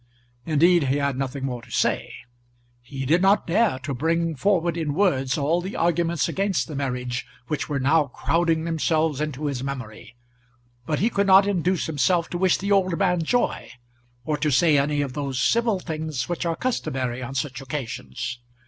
Indeed, he had nothing more to say. He did not dare to bring forward in words all the arguments against the marriage which were now crowding themselves into his memory, but he could not induce himself to wish the old man joy, or to say any of those civil things which are customary on such occasions.